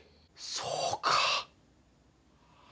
そうか。